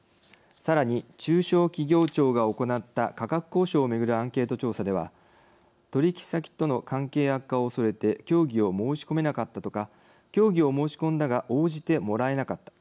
さらに中小企業庁が行った価格交渉を巡るアンケート調査では「取引先との関係悪化を恐れて協議を申し込めなかった」とか「協議を申し込んだが応じてもらえなかった」